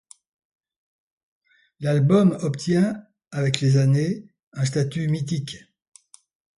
L'album obtient avec les années un statut mythique.